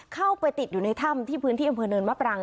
เข้าไปติดอยู่ในถ้ำที่พื้นที่อำเภอเนินมะปราง